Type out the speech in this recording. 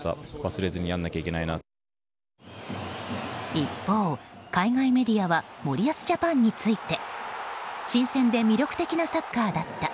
一方、海外メディアは森保ジャパンについて新鮮で魅力的なサッカーだった。